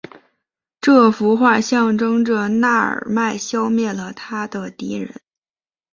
这幅画象征着那尔迈消灭了他的敌人。